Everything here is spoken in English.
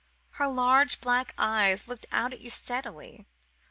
Her large, black eyes looked out at you steadily.